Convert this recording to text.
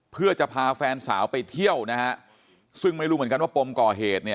เพื่อจะพาแฟนสาวไปเที่ยวนะฮะ